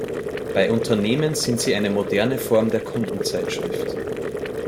Bei Unternehmen sind sie eine moderne Form der Kundenzeitschrift.